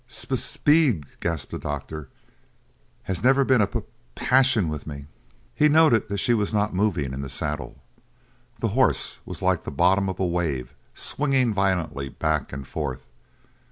"Sp p p peed," gasped the doctor, "has never been a p p passion with me!" He noted that she was not moving in the saddle. The horse was like the bottom of a wave swinging violently back and forth.